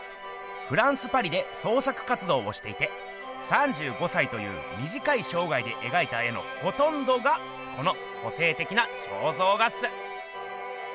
フランスパリで創作活動をしていて３５歳というみじかいしょうがいでえがいた絵のほとんどがこの個性的な肖像画っす。